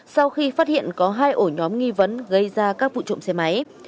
sau khi phát hiện có hai ổ nhóm nghi vấn gây ra các vụ trộm xe máy